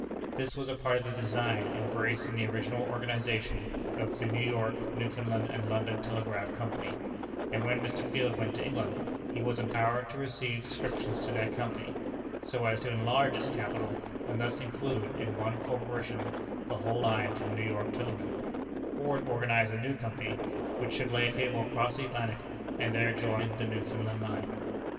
This was a part of the design embraced in the original organization of the New York, Newfoundland, and London Telegraph Company; and when Mr. Field went to England, he was empowered to receive subscriptions to that Company, so as to enlarge its capital, and thus include in one corporation the whole line from New York to London; or to organize a new company, which should lay a cable across the Atlantic, and there join the Newfoundland line.